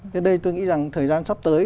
nên đây tôi nghĩ rằng thời gian sắp tới